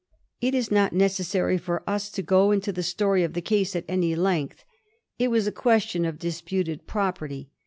It is not necessary for us to go into the story of the case at any length. It was a question of disputed property.